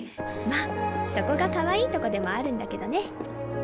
「まっそこがかわいいとこでもあるんだけどね」